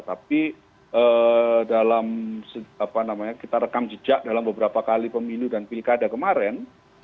tapi dalam kita rekam jejak dalam beberapa kali pemilu dan pilkada kemarin